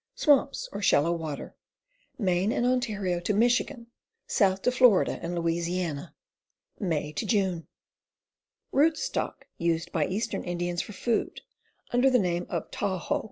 Swamps or shallow water. Me. and Ont. to Mich., south to Fla. and La. May June. Rootstock used by eastern Indians for food, under the name oi Taw ho.